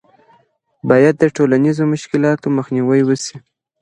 باید د ټولنیزو مشکلاتو مخنیوی وسي.